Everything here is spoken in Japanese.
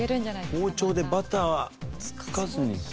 包丁でバターつかずに切る。